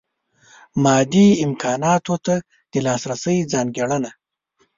مادي امکاناتو ته د لاسرسۍ ځانګړنه.